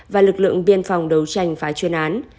và lực lượng biên phòng đấu tranh phá chuyên án